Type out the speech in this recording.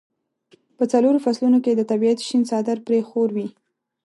په څلورو فصلونو کې د طبیعت شین څادر پرې خور وي.